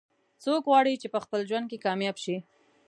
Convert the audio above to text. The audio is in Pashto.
څوک غواړي چې په خپل ژوند کې کامیاب شي